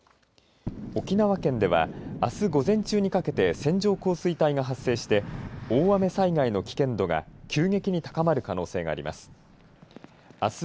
沖縄県ではあす午前中にかけて線状降水帯が発生して大雨災害の危険度が急激に高まる可能性があります。